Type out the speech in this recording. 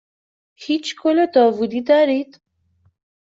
هیچ گل داوودی دارید؟